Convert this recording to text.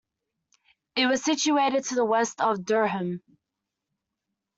It is situated to the west of Durham.